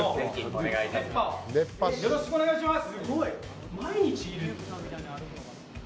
よろしくお願いします！